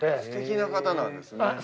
ステキな方なんですね。